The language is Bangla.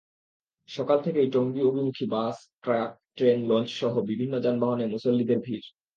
সকাল থেকেই টঙ্গী অভিমুখী বাস, ট্রাক, ট্রেন, লঞ্চসহ বিভিন্ন যানবাহনে মুসল্লিদের ভিড়।